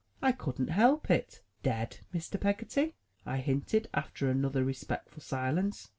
I couldn't help it. "—Dead, Mr. Peggotty?'' I hinted, after another respectful silence.